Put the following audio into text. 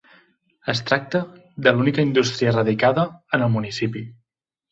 Es tracta de l'única indústria radicada en el municipi.